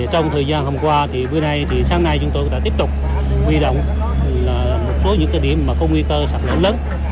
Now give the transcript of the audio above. trong thời gian hôm qua sáng nay chúng tôi đã tiếp tục huy động một số những điểm không nguy cơ sạt lở lớn